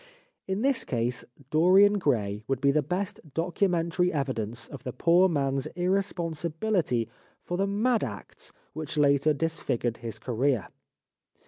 In this case '' Dorian Gray" would be the best documentary evidence of the poor man's irre sponsibility for the mad acts which later dis figured his career.